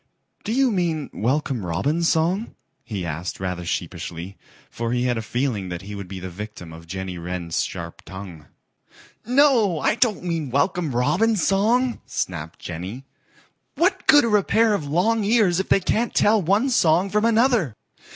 "Do you mean Welcome Robin's song?" he asked rather sheepishly, for he had a feeling that he would be the victim of Jenny Wren's sharp tongue. "No, I don't mean Welcome Robin's song," snapped Jenny. "What good are a pair of long ears if they can't tell one song from another?